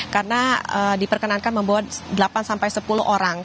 karena diperkenankan membawa delapan sampai sepuluh orang